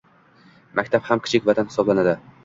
Maktab ham kichik vatan hisoblanadi.